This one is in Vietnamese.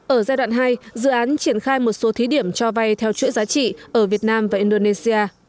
ở giai đoạn hai dự án triển khai một số thí điểm cho vay theo chuỗi giá trị ở việt nam và indonesia